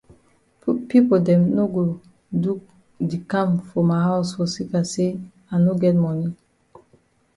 Pipo dem no go di kam for ma haus for seka say I no get moni.